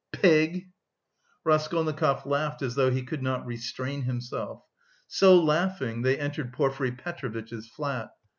"Pig!" Raskolnikov laughed as though he could not restrain himself. So laughing, they entered Porfiry Petrovitch's flat.